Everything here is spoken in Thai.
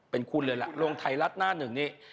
เป็นคุณเลยล่ะลงไทยรัฐหน้าหนึ่งนี่